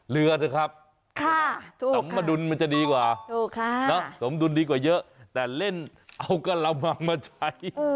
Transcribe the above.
เถอะครับสมดุลมันจะดีกว่าสมดุลดีกว่าเยอะแต่เล่นเอากระมังมาใช้